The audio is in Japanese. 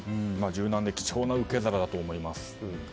柔軟で貴重な受け皿だと思います。